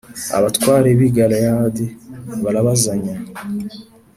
abatware b ‘i Galeyadi barabazanya .